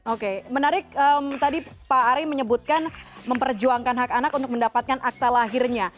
oke menarik tadi pak ari menyebutkan memperjuangkan hak anak untuk mendapatkan akta lahirnya